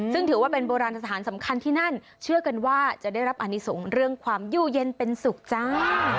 ซึ่งถือว่าเป็นโบราณสถานสำคัญที่นั่นเชื่อกันว่าจะได้รับอนิสงฆ์เรื่องความยู่เย็นเป็นสุขจ้า